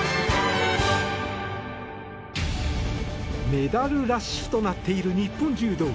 メダルラッシュとなっている日本柔道。